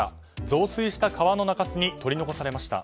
増水した川の中州に取り残されました。